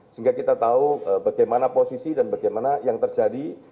sehingga kita tahu bagaimana posisi dan bagaimana yang terjadi